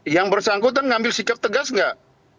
yang bersangkutan ngambil sikap tegas nggak